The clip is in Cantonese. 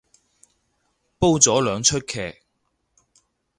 煲咗兩齣劇